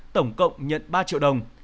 tổng cộng nhận ba triệu đồng